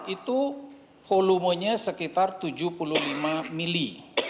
itu volumenya sekitar tujuh puluh lima mili